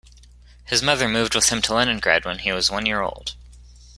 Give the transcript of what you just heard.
His mother moved with him to Leningrad when he was one year old.